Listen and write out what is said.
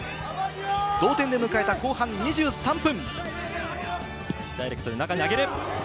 同点で迎えた後半２３分。